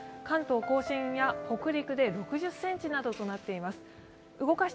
関東甲信や北陸で６０ｃｍなどとなっています。